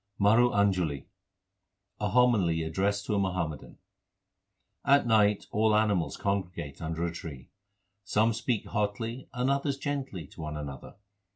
MARU ANJULI A homily addressed to a Muhammadan : At night all animals congregate under a tree. 3 Some speak hotly and others gently to one another.